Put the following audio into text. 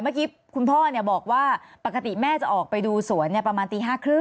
เมื่อกี้คุณพ่อบอกว่าปกติแม่จะออกไปดูสวนประมาณตี๕๓๐